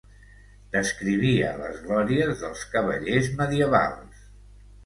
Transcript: Descrivia les glòries dels cavallers medievals.